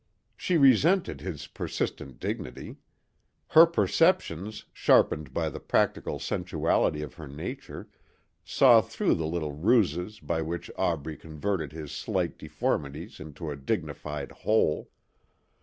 She resented his persistent dignity. Her perceptions, sharpened by the practical sensuality of her nature, saw through the little ruses by which Aubrey converted his slight deformities into a dignified whole.